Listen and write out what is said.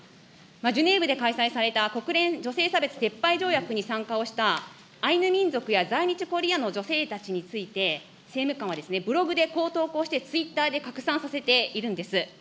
ジュネーブで開催された国連女性差別撤廃条約に参加をしたアイヌ民族や在日コリアンの女性たちについて、政務官はブログでこう投稿して、ツイッターで拡散させているんです。